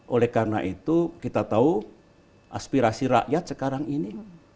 oleh karena itu kita tahu aspirasi rakyat sekarang ini